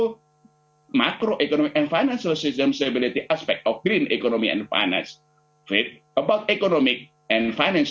tentang makroekonomi dan sifat stabilitas finansial aspek ekonomi dan finansi